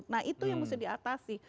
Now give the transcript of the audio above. nah itu yang mesti diatasi